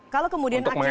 kalau kemudian akhirnya